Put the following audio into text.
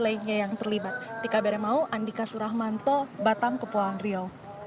lainnya yang terlibat di kabar mau andika surahmanto batam kepulauan rio